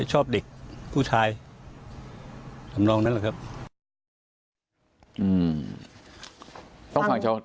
ชอบเด็กผู้ชายทำนองนั้นแหละครับ